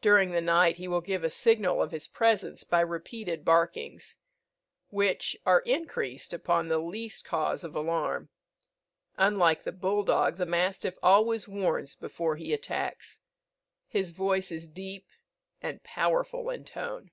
During the night he will give a signal of his presence by repeated barkings, which are increased upon the least cause of alarm. Unlike the bull dog, the mastiff always warns before he attacks. His voice is deep and powerful in tone.